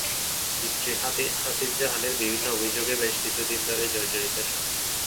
স্ত্রী হাসিন জাহানের বিভিন্ন অভিযোগে বেশ কিছু দিন ধরেই জর্জরিত শামি।